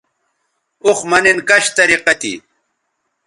اوخ مہ نِن کش طریقہ تھی